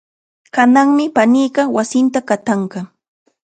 Kananmi paniiqa wasinta qatanqa.